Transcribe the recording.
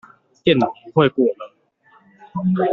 電腦不會過熱